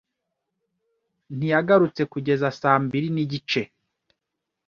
ntiyagarutse kugeza saa mbiri n'igice.